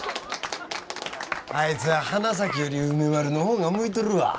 あいつは花咲より梅丸の方が向いとるわ。